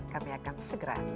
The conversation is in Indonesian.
kami akan segera